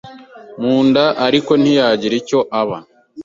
mu nda ariko ntiyagira icyo aba